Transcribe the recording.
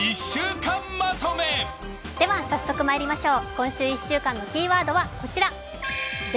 今週１週間のキーワードはこちら「出」